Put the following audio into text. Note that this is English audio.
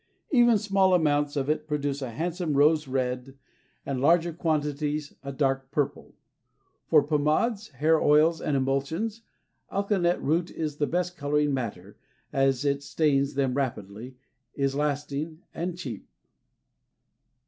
Even small amounts of it produce a handsome rose red and larger quantities a dark purple. For pomades, hair oils, and emulsions alkanet root is the best coloring matter, as it stains them rapidly, is lasting, and cheap.